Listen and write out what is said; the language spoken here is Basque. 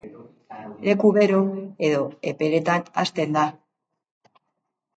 Leku bero edo epeletan hazten da.